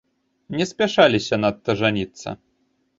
Не спяшаліся надта жаніцца.